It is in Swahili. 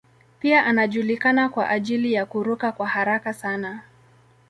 Pia anajulikana kwa ajili ya kuruka kwa haraka sana.